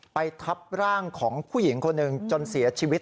ทับร่างของผู้หญิงคนหนึ่งจนเสียชีวิต